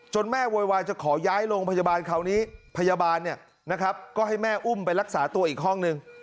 แม่โวยวายจะขอย้ายโรงพยาบาลคราวนี้พยาบาลก็ให้แม่อุ้มไปรักษาตัวอีกห้องนึง